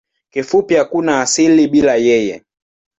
Kifupi hakuna asili bila yeye.